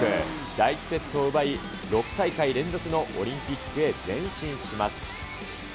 第１セットを奪い、６大会連続のオリンピックへ前進します。